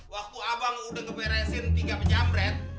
waktu abang udah ngeberesin tiga penyambret